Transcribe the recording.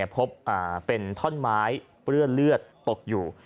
พบเป็นท่อนไม้เปื้อนเลือดตกอยู่